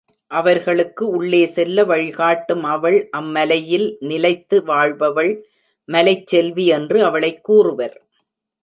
அவர்களுக்கு உள்ளே செல்ல வழி காட்டும் அவள் அம்மலையில் நிலைத்து வாழ்பவள் மலைச் செல்வி என்று அவளைக் கூறுவர்.